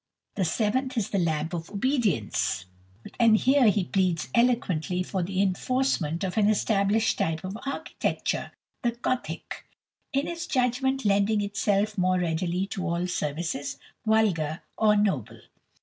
The seventh is the Lamp of Obedience, and here he pleads eloquently for the enforcement of an established type of architecture the Gothic, in his judgment, lending itself most readily to all services, vulgar or noble.